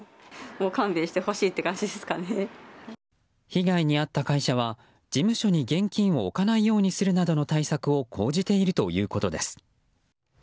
被害に遭った会社は、事務所に現金を置かないようにするなどの対策を講じているということです。